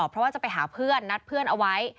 เพราะว่าจะไปหาเพื่อนนัดเพื่อนเอาไว้